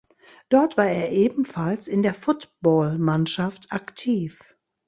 Dort war er ebenfalls in der Footballmannschaft aktiv.